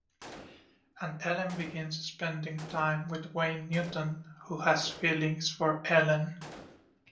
And Ellen begins spending time with Wayne Newton, who has feelings for Ellen.